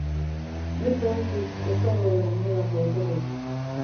Nik badakit ez dagoela inolako okerrik.